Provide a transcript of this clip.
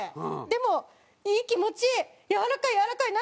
でも「いい気持ち」「柔らかい！